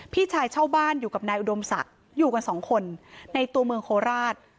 พี่ชายเช่าบ้านอยู่กับนายอุดมศักดิ์อยู่กันสองคนในตัวเมืองโคราช